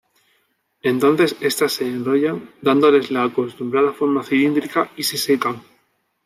Entonces estas se enrollan, dándoles la acostumbrada forma cilíndrica, y se secan.